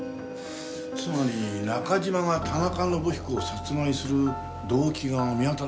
つまり中島が田中伸彦を殺害する動機が見当たらないと？